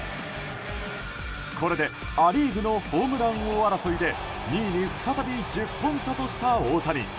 これでア・リーグのホームラン王争いで２位に再び１０本差とした大谷。